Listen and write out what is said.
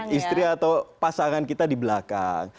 istri atau pasangan kita di belakang